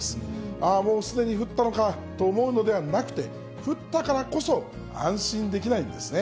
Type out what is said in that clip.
ああ、もうすでに降ったのかと思うのではなくて、降ったからこそ安心できないんですね。